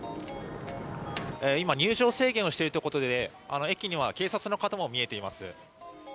今、入場制限をしているということで、駅には警察の方も見えています。